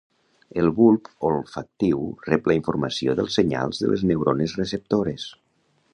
El bulb olfactiu rep la informació dels senyals de les neurones receptores.